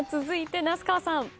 続いて那須川さん。